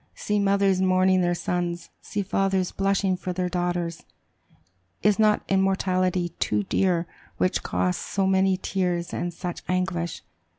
See mothers mourning their sons! See fathers blushing for their daughters! Is not immortality too dear which costs so many tears and such anguish?